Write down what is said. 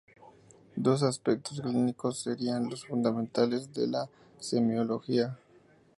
Dos aspectos clínicos serían los fundamentales de la semiología de la personalidad neurótica.